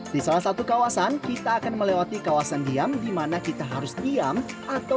di salah satu kawasan kita akan melewati kawasan diam di mana kita harus diam atau